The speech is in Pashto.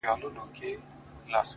• كله ـكله يې ديدن تــه لـيونـى سم ـ